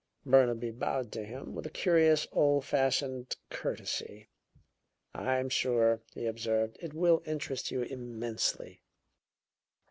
Burnaby bowed to him with a curious old fashioned courtesy. "I am sure," he observed, "it will interest you immensely."